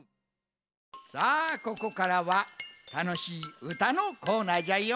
さあここからはたのしいうたのコーナーじゃよ。